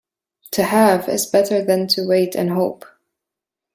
To have is better than to wait and hope.